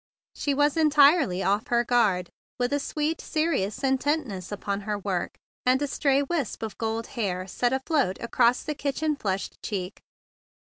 She was entirely off her guard, with a sweet, serious intent¬ ness upon her work and a stray wisp of gold hair set afloat across the kitchen flushed cheek.